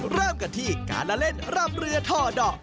เริ่มกันที่การละเล่นร่ำเรือท่อดอก